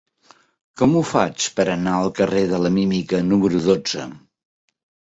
Com ho faig per anar al carrer de la Mímica número dotze?